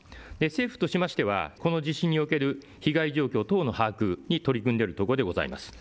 政府としましてはこの地震における被害状況等の把握に取り組んでいるところでございます。